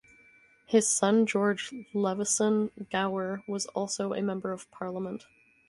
His son George Leveson-Gower was also a Member of Parliament.